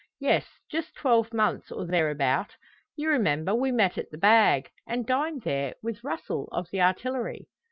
Yes; just twelve months, or thereabout. You remember, we met at the `Bag,' and dined there, with Russel, of the Artillery."